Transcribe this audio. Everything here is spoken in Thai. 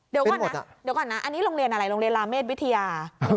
เดี๋ยวก่อนนะอันนี้โรงเรียนอะไรโรงเรียนลาเมฆวิทยา